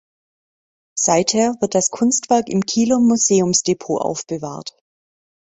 Seither wird das Kunstwerk im Kieler Museumsdepot aufbewahrt.